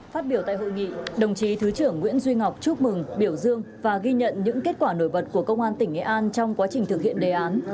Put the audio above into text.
phát biểu tại hội nghị đồng chí thứ trưởng nguyễn duy ngọc chúc mừng biểu dương và ghi nhận những kết quả nổi bật của công an tỉnh nghệ an trong quá trình thực hiện đề án